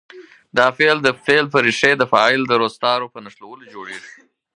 دا فعل د فعل په ریښې د فاعل د روستارو په نښلولو جوړیږي.